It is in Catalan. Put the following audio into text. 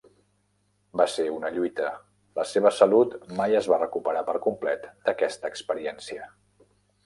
Va ser una lluita; la seva salut mai es va recuperar per complet d'aquesta experiència.